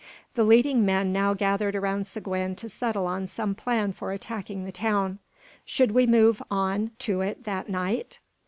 The leading men now gathered around Seguin to settle on some plan for attacking the town. Should we move on to it that night?